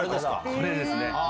これですね。